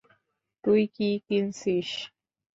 তুই কি কিনছিস?